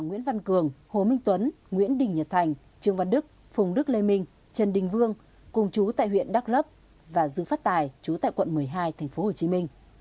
nguyễn văn cường hồ minh tuấn nguyễn đình nhật thành trương văn đức phùng đức lê minh trần đình vương cùng chú tại huyện đắk lấp và dương phát tài chú tại quận một mươi hai tp hcm